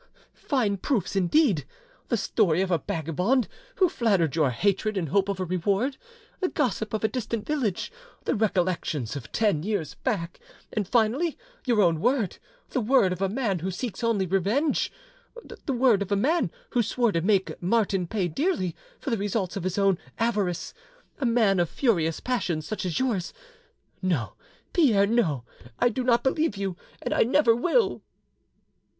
"Fine proofs indeed! The story of a vagabond who flattered your hatred in hope of a reward, the gossip of a distant village, the recollections of ten years back, and finally, your own word, the word of a man who seeks only revenge, the word of a man who swore to make Martin pay dearly for the results of his own avarice, a man of furious passions such as yours! No, Pierre, no, I do not believe you, and I never will!"